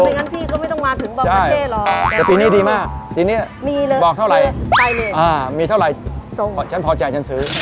อย่างนั้นพี่ก็ไม่ต้องมาถึงบอกมาเช่หรอกแต่ปีนี้ดีมากทีนี้มีเลยบอกเท่าไหร่มีเท่าไหร่ฉันพอใจฉันซื้อ